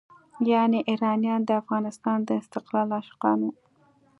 یعنې ایرانیان د افغانستان د استقلال عاشقان وو.